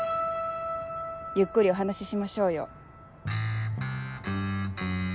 ゆっくりお話ししましょうよ。